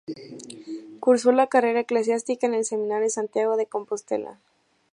Cursó la carrera eclesiástica en el Seminario de Santiago de Compostela.